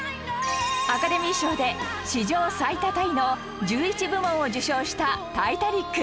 アカデミー賞で史上最多タイの１１部門を受賞した『タイタニック』